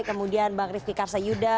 kemudian bang rifqi karsa yuda